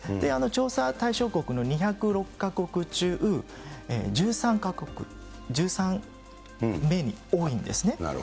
調査対象国の２０６か国中１３か国、１３番目に多いんですね。